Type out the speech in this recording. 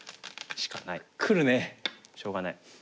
しょうがない。